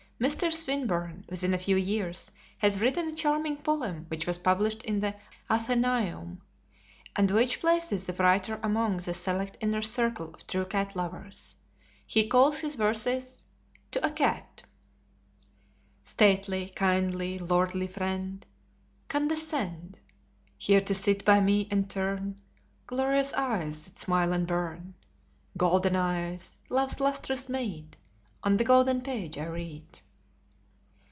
Mr. Swinburne, within a few years, has written a charming poem which was published in the Athenaeum, and which places the writer among the select inner circle of true cat lovers. He calls his verses TO A CAT Stately, kindly, lordly friend, Condescend Here to sit by me, and turn Glorious eyes that smile and burn, Golden eyes, love's lustrous meed, On the golden page I read.